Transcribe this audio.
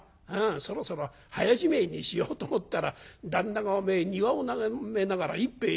そろそろ早じめえにしようと思ったら旦那が庭を眺めながら一杯やってたんだよ。